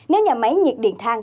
nếu nhà máy nhiệt điện thang